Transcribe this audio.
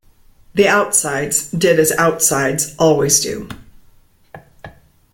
The outsides did as outsides always do.